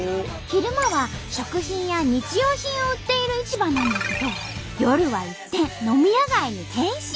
昼間は食品や日用品を売っている市場なんだけど夜は一転飲み屋街に変身。